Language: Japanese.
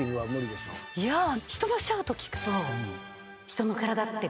人のシャウト聞くと。